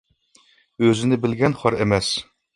ئۆزىنى بىلگەن خار ئەمەس.